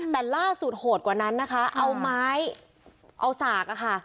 แต่ล่าสุดโหดกว่านั้นเอาม้ายเอาสาก